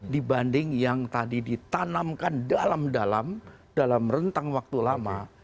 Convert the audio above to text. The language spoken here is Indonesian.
dibanding yang tadi ditanamkan dalam dalam rentang waktu lama